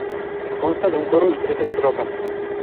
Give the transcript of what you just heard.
Consta de un coro y tres estrofas.